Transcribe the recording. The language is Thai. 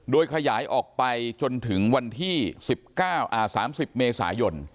โดยขยายออกไปจนถึงวันที่๑เมษายน